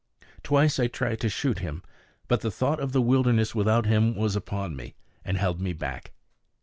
Twice I tried to shoot him; but the thought of the wilderness without him was upon me, and held me back.